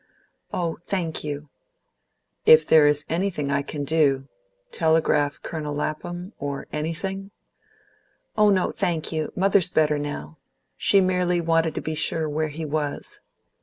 "Oh, thank you!" "If there is anything I can do telegraph Colonel Lapham, or anything?" "Oh no, thank you; mother's better now. She merely wanted to be sure where he was."